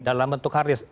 dalam bentuk hard disk